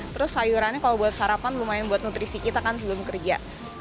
terus sayurannya kalau buat sarapan lumayan buat nutrisi kita kan sebelum kerja